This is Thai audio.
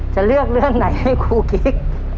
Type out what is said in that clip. จะเลือกเรื่องไหนให้ครูกิ๊ก